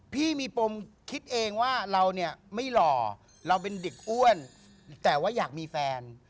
พี่มีปมคิดเองว่าเราเนี่ยไม่หล่อเราเป็นเด็กอ้วนแต่ว่าอยากมีแฟน